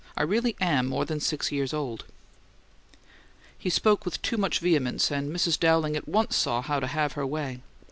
I really AM more than six years old!" He spoke with too much vehemence, and Mrs. Dowling at once saw how to have her way.